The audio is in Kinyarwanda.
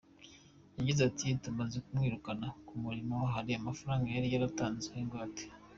Yagize ati “Tumaze kumwirukana ku murimo, hari amafaranga yari yaratanzeho ingwate.